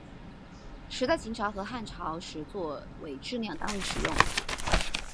石在秦朝和汉朝时作为质量单位使用。